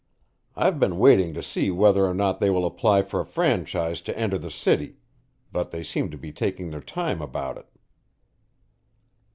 I've been waiting to see whether or not they will apply for a franchise to enter the city, but they seem to be taking their time about it."